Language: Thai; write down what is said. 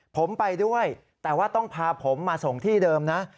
ผมไปด้วยแต่ว่าต้องพาผมมาส่งที่เดิมนะ